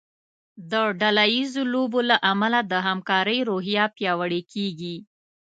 د ډله ییزو لوبو له امله د همکارۍ روحیه پیاوړې کیږي.